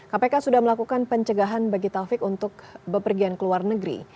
kpk sudah melakukan pencegahan bagi taufik untuk bepergian ke luar negeri